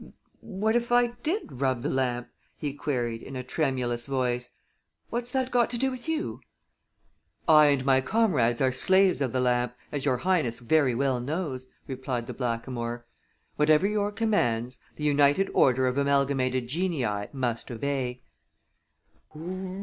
"What if I did rub the lamp?" he queried, in a tremulous voice. "What's that got to do with you?" "I and my comrades are slaves of the lamp, as your Highness very well knows," replied the blackamoor. "Whatever your commands, the United Order of Amalgamated Genii must obey."